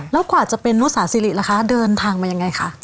แล้วกว่าจะเป็นนุสาสิริล่ะคะเดินทางมายังไงคะ